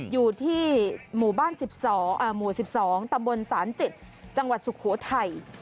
อยู่ที่หมู่บ้าน๑๒หมู่๑๒ตำบลศาลจิตจังหวัดสุโขทัย